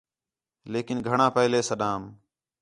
لیکن گھݨاں پہلے سݙام